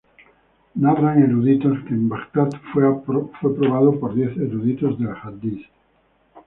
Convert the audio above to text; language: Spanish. Narran eruditos que en Bagdad fue probado por diez eruditos del hadiz.